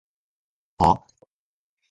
はぁ？